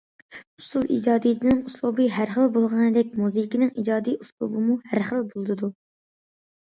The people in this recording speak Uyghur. ئۇسسۇل ئىجادىيىتىنىڭ ئۇسلۇبى ھەر خىل بولغىنىدەك، مۇزىكىنىڭ ئىجادىيەت ئۇسلۇبىمۇ ھەر خىل بولىدۇ.